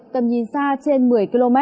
tầm nhìn xa trên một mươi km